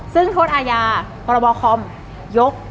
ซึ่งโทษอาญาพรบคอมยก